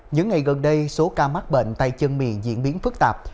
những ngày gần đây số ca mắc bệnh tay chân miệng diễn biến phức tạp